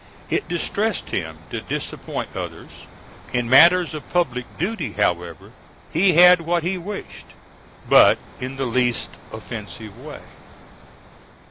It distressed him to disappoint others. In matters of public duty, however, he had what he wished, but in the least offensive way.